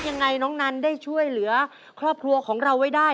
ยังไงน้องนันได้ช่วยเหลือครอบครัวของเราไว้ได้